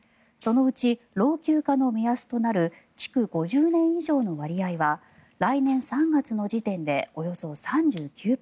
そのうち老朽化の目安となる築５０年以上の割合は来年３月の時点でおよそ３９％。